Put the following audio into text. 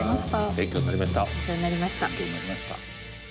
勉強になりました。